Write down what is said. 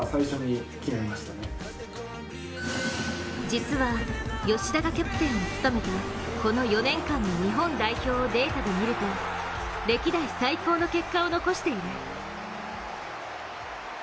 実は、吉田がキャプテンを務めたこの４年間の日本代表をデータで見ると歴代最高の結果を残している。